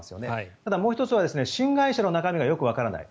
ただ、もう１つは新会社がよくわからない。